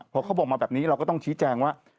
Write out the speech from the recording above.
พอเขาบอกมาแบบนี้เราก็ต้องชี้แจงว่า